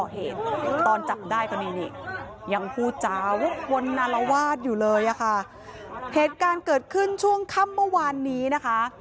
เหตุการณ์เกิดขึ้นช่วงค่ำเมื่อวานนี้นะคะ